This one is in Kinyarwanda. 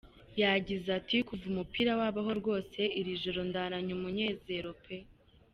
Yagize ati “Kuva umupira wabaho rwose, iri joro ndaranye umunezero pe !